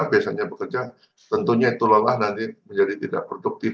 biasanya bekerja tentunya itu lelah nanti menjadi tidak produktif